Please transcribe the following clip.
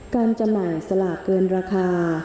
จำหน่ายสลากเกินราคา